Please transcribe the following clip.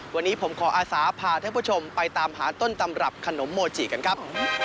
วันนี้ผมขออาศาพาท่านผู้ชมไปตามหาต้นตำรับขนมโมจิกันครับ